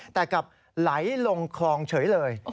แต่กลับไหลลงคลองเฉยเลย